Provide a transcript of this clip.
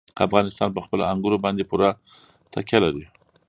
افغانستان په خپلو انګورو باندې پوره تکیه لري.